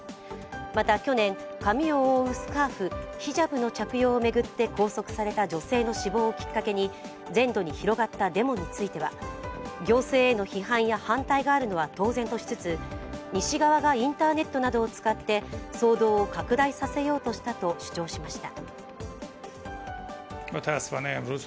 また去年、髪を覆うスカーフヒジャブの着用を巡って拘束された女性の死亡をきっかけに全土に広がったデモについては行政への批判や反対があるのは当然としつつ、西側がインターネットなどを使って騒動を拡大させようとしたと主張しました。